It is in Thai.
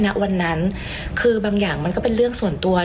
ณวันนั้นคือบางอย่างมันก็เป็นเรื่องส่วนตัว